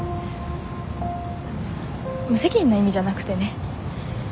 無責任な意味じゃなくてね。